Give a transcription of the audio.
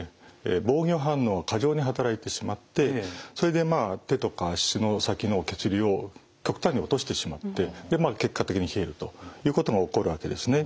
防御反応が過剰に働いてしまってそれでまあ手とか足の先の血流を極端に落としてしまって結果的に冷えるということが起こるわけですね。